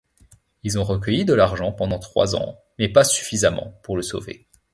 Ils ont recueilli de l'argent pendant trois ans, mais pas suffisamment pour le sauver.